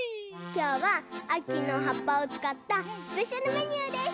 きょうはあきのはっぱをつかったスペシャルメニューです！